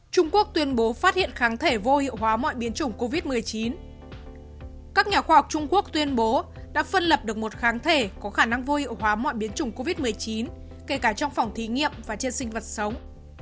các nhà khoa học trung quốc tuyên bố đã phân lập được một kháng thể có khả năng vô hóa mọi biến chủng covid một mươi chín kể cả trong phòng thí nghiệm và trên sinh vật sống